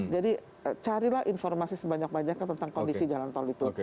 jadi carilah informasi sebanyak banyak tentang kondisi jalan tol itu